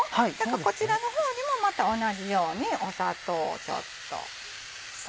こちらの方にもまた同じように砂糖ちょっと。